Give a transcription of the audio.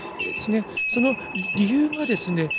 その理由がですね